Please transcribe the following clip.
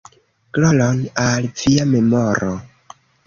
Gloron al via memoro!".